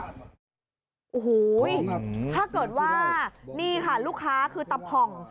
โอ้โหถ้าเกิดว่านี่ค่ะลูกค้าคือตะผ่อง